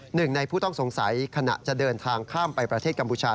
หนึ่งในผู้ต้องสงสัยขณะจะเดินทางข้ามไปประเทศกัมพูชา